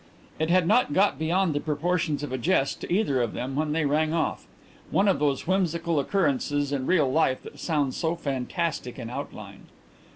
It had not got beyond the proportions of a jest to either of them when they rang off one of those whimsical occurrences in real life that sound so fantastic in outline.